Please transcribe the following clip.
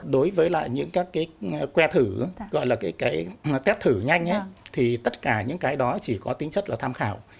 đối với lại những các cái que thử gọi là cái test thử nhanh thì tất cả những cái đó chỉ có tính chất là tham khảo